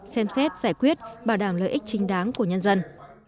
xem xét giải quyết bảo đảm lợi ích chính đáng của nhân dân